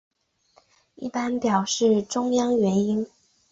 一般表示中央元音。